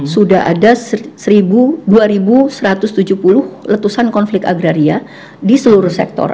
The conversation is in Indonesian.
sudah ada dua satu ratus tujuh puluh letusan konflik agraria di seluruh sektor